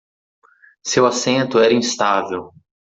Seu assento era instável.